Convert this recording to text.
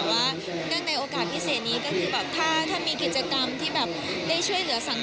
แต่ว่าในโอกาสพิเศษนี้ก็คือถ้ามีกิจกรรมที่ได้ช่วยเรือสังคม